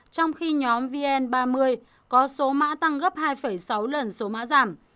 trong khi nhóm vn ba mươi có số mã tăng gấp hai sáu lần số mã giảm